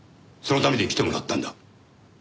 そのために来てもらったんだ。